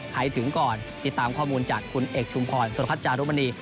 ให้ถึงก่อนติดตามข้อมูลจากคุณเอกชุมพรสุรพัฒน์จารุมณี